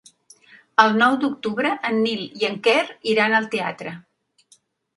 El nou d'octubre en Nil i en Quer iran al teatre.